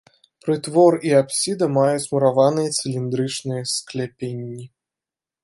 Прытвор і апсіда маюць мураваныя цыліндрычныя скляпенні.